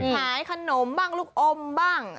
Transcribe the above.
ขายขนมบ้างลูกอมบ้าง